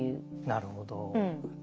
なるほど。